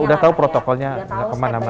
udah tahu protokolnya kemana mana